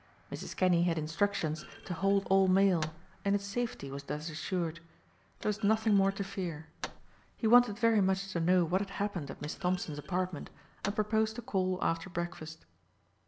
Mrs. Kinney had instructions to hold all mail and its safety was thus assured. There was nothing more to fear. He wanted very much to know what had happened at Miss Thompson's apartment and proposed to call after breakfast.